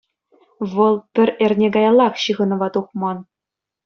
Вӑл пӗр эрне каяллах ҫыхӑнӑва тухман.